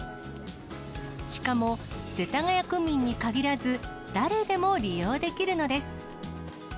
しかも、世田谷区民に限らず、誰でも利用できるのです。